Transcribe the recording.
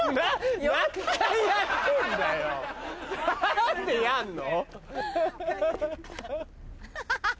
何でやんの？